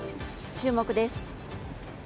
注目です。